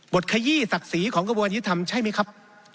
บทขยี้ศักดิ์ศรีของกระบวนอิทธิ์ธรรมใช่มั้ยครับ